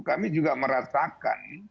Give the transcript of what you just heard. kami juga merasakan